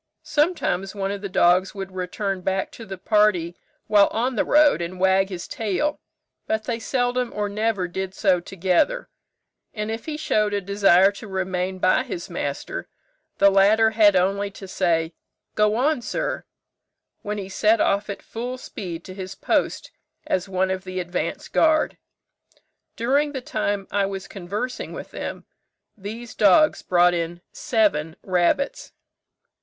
Sometimes one of the dogs would return back to the party while on the road, and wag his tail, but they seldom or never did so together; and if he showed a desire to remain by his master, the latter had only to say, 'Go on, sir,' when he set off at full speed to his post as one of the advanced guard. During the time I was conversing with them these dogs brought in seven rabbits."